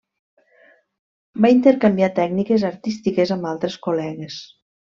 Va intercanviar tècniques artístiques amb altres col·legues.